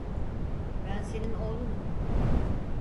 Ben senin oğlunum.